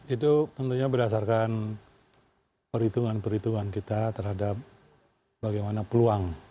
itu tentunya berdasarkan perhitungan perhitungan kita terhadap bagaimana peluang